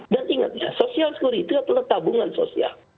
dan ingat ya social security adalah tabungan sosial